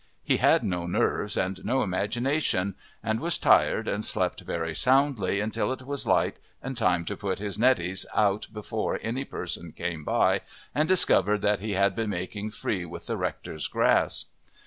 He had no nerves and no imagination; and was tired, and slept very soundly until it was light and time to put his neddies out before any person came by and discovered that he had been making free with the rector's grass.